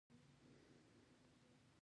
ما په زړه کښې توره بلا بلله.